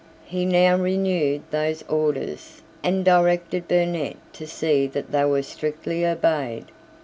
He now renewed those orders, and directed Burnet to see that they were strictly obeyed.